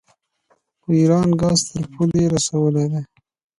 خو ایران ګاز تر پولې رسولی دی.